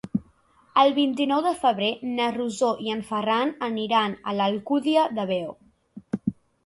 El vint-i-nou de febrer na Rosó i en Ferran aniran a l'Alcúdia de Veo.